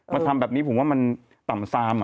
มาทำแบบนี้ผมว่ามันต่ำซาม